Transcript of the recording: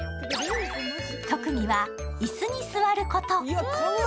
特技は椅子に座ること。